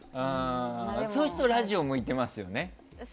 そうするとラジオ向いていますよね。